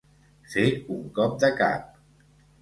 Fer un cop de cap.